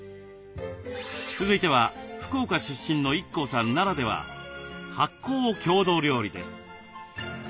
続いては福岡出身のＩＫＫＯさんならでは発酵郷土料理です。